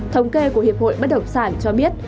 thống kê của hiệp hội bất động sản cho biết